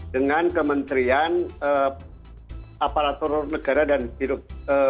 dengan kementerian aparatur negara dan sirup